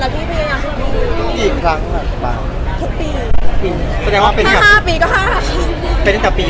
ทำไมเราไม่พยายามแก้ปัญหานี้